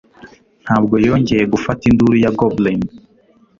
Ntabwo yongeye gufata induru ya goblin